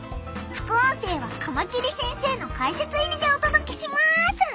副音声はカマキリ先生の解説入りでお届けします！